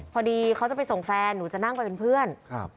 พอดีเขาจะไปส่งแฟนหนูจะนั่งไปเป็นเพื่อน